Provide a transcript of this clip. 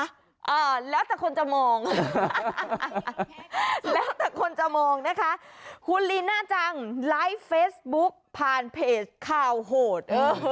อ่าแล้วแต่คนจะมองแล้วแต่คนจะมองนะคะคุณลีน่าจังไลฟ์เฟซบุ๊กผ่านเพจข่าวโหด